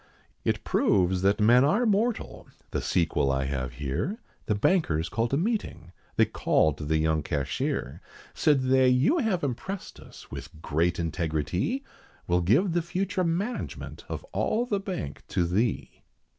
It proves that men are mortal, the sequel I have here, The bankers called a meeting, they called the young cashier. Said they, "You have impressed us with great integritee, We'll give the future management of all the Bank to thee."